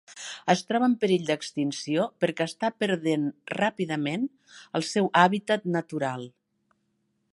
Es troba en perill d'extinció perquè està perdent ràpidament el seu hàbitat natural.